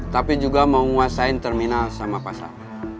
tapi juga mau nguasain terminal sama pasar